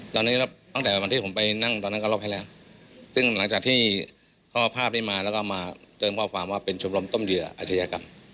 ตอนนี้ตั้งแต่วันที่ผมไปนั่งตอนนั้นก็ลบให้แล้วซึ่งหลังจากที่เขาเอาภาพนี้มาแล้วก็มาเติมข้อความว่าเป็นชมรมต้มเหยื่ออาชญากรรม